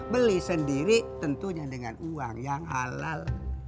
beli sendiri tentunya dengan uang yang halal